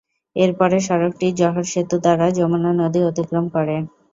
এর পরে সড়কটি জহর সেতু দ্বারা যমুনা নদী অতিক্রম করে।